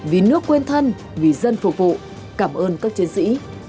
vì nước quên thân vì dân phục vụ cảm ơn các chiến sĩ